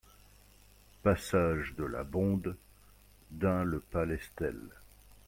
Passage de la Bonde, Dun-le-Palestel